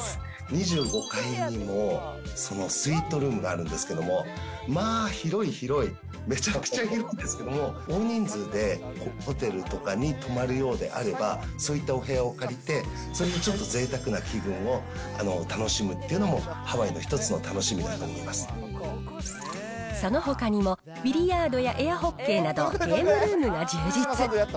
２５階にもスイートルームがあるんですけど、まあ広い広い、めちゃくちゃ広いんですけれども、大人数でホテルとかに泊まるようであれば、そういったお部屋を借りて、それもちょっとぜいたくな気分を楽しむっていうのも、ハワイの一そのほかにも、ビリヤードやエアホッケーなど、ゲームルームが充実。